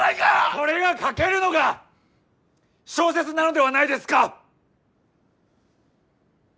それが書けるのが小説なのではないですか！？